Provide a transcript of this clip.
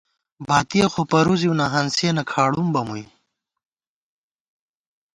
باتِیَہ خو پروزِوَہ نا ، ہانسِیَنہ کھاڑُم بہ مُوئی